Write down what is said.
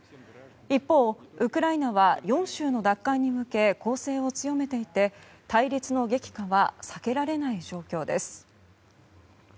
一方、ウクライナは４州の奪還に向け攻勢を強めていて対立の激化は避けられない状況です。